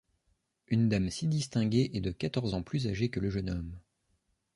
Une dame si distinguée, et de quatorze ans plus âgée que le jeune homme!